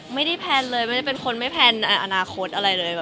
แพลนเลยไม่ได้เป็นคนไม่แพลนอนาคตอะไรเลย